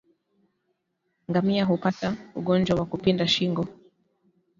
Ngamia hupata ugonjwa wa kupinda shingo